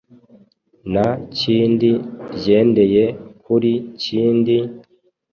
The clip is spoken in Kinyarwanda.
na kindi ryendeye kuri Kindi,